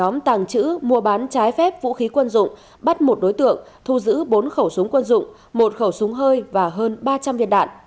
mùa bán trái phép vũ khí quân dụng bắt một đối tượng thu giữ bốn khẩu súng quân dụng một khẩu súng hơi và hơn ba trăm linh việt đạn